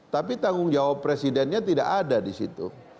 tapi tanggung jawab presidennya tidak ada di situ